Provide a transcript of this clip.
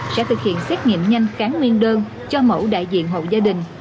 sẽ thực hiện xét nghiệm nhanh kháng nguyên đơn cho mẫu đại diện hộ gia đình